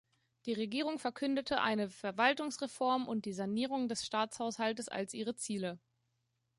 Die Regierung verkündete eine Verwaltungsreform und die Sanierung des Staatshaushaltes als ihre Ziele.